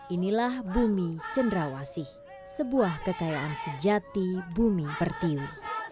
inilah bumi cendrawasih sebuah kekayaan sejati bumi bertiwi